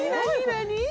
何？